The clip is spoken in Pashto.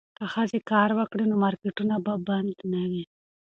که ښځې کار وکړي نو مارکیټونه به بند نه وي.